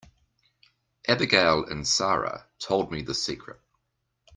Abigail and Sara told me the secret.